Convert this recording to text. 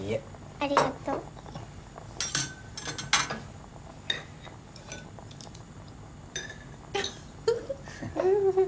ありがとう。フフフ。